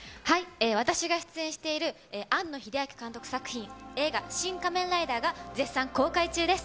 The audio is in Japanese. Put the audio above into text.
私が出演している庵野秀明監督作品、映画、シン・仮面ライダーが絶賛公開中です。